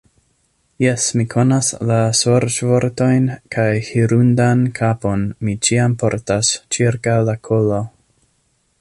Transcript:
Jes, mi konas la sorĉvortojn kaj hirundan kapon mi ĉiam portas ĉirkaŭ la kolo.